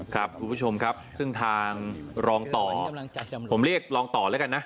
ครับคุณผู้ชมครับซึ่งทางรองต่อผมเรียกรองต่อแล้วกันนะ